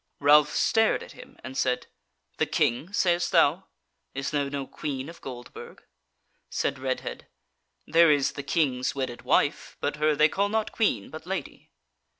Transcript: Ralph stared at him and said: "The King, sayst thou? is there no Queen of Goldburg?" Said Redhead: "There is the King's wedded wife, but her they call not Queen, but Lady."